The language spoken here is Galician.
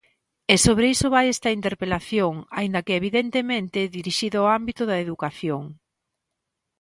E sobre iso vai esta interpelación, aínda que evidentemente dirixida ao ámbito da educación.